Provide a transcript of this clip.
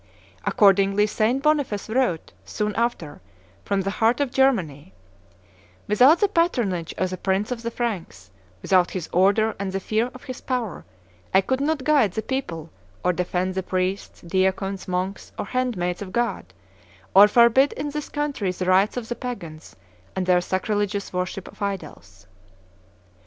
Accordingly St. Boniface wrote, soon after, from the heart of Germany, "Without the patronage of the prince of the Franks, without his order and the fear of his power, I could not guide the people, or defend the priests, deacons, monks, or handmaids of God, or forbid in this country the rites of the Pagans and their sacrilegious worship of idols."